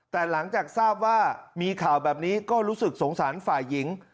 แต่หลังจากทราบว่ามีข่าวแบบนี้ก็รู้สึกสงสารฝ่ายหญิง